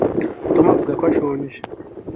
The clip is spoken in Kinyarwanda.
tom avuga ko ashonje